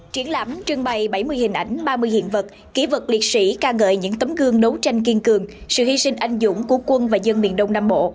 triển lãm trưng bày bảy mươi hình ảnh ba mươi hiện vật kỹ vật liệt sĩ ca ngợi những tấm gương đấu tranh kiên cường sự hy sinh anh dũng của quân và dân miền đông nam bộ